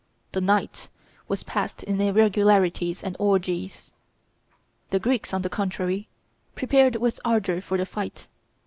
The night was passed in irregularities and orgies. The Greeks, on the contrary, prepared with ardor for the fight.